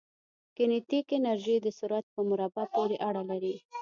کینیتیک انرژي د سرعت په مربع پورې اړه لري.